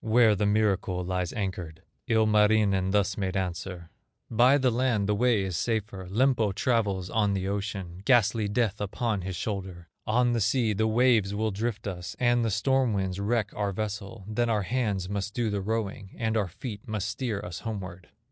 Where the miracle lies anchored." Ilmarinen thus made answer: "By the land the way is safer, Lempo travels on the ocean, Ghastly Death upon his shoulder; On the sea the waves will drift us, And the storm winds wreck our vessel; Then our hands must do the rowing, And our feet must steer us homeward."